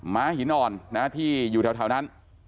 ม้าหินอ่อนที่อยู่แถวนั้น